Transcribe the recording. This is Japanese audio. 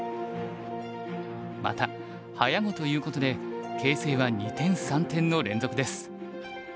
また早碁ということで形勢は二転三転の連続です。